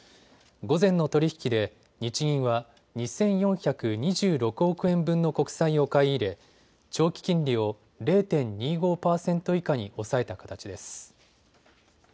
午前の取り引きで日銀は２４２６億円分の国債を買い入れ長期金利を０．２５％以下に抑えた形です。